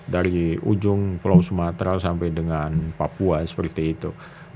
dari ujung pulau sumatera sampai dengan papua seperti itu